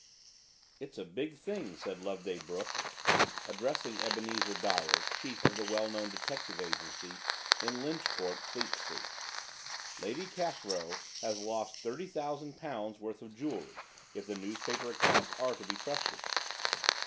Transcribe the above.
"IT'S a big thing," said Loveday Brooke, addressing Ebenezer Dyer, chief of the well known detective agency in Lynch Court, Fleet Street; "Lady Cathrow has lost £30,000 worth of jewellery, if the newspaper accounts are to be trusted."